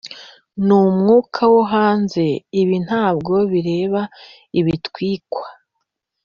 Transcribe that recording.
N umwuka wo hanze ibi ntabwo bireba ibitwikwa